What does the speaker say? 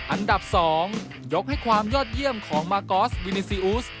อันดับ๒ยกให้ความยอดเยี่ยมของมากอสวินีซีอูส